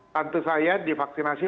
tante saya divaksinasi